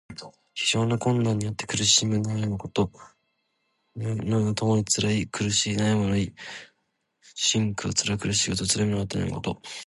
非常な困難にあって苦しみ悩むこと。「艱」「難」はともにつらい、苦しい、悩むの意。「辛苦」はつらく苦しいこと。つらい目にあって悩むこと。